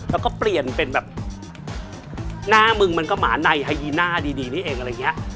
แล้วก็เปลี่ยนเป็นแบบหน้ามึงมันก็หมาในฮายีน่าดีนี่เองอะไรอย่างนี้